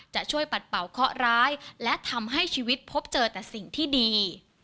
จะช่วยปัดเป่าเคาะร้ายและทำให้ชีวิตพบเจอแต่สิ่งที่ดี